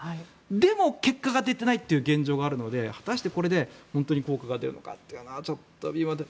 でも結果が出ていない現状があるので果たしてこれで本当に効果が出るのかというのはちょっと微妙な。